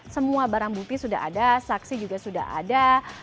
semua barang bukti sudah ada saksi juga sudah ada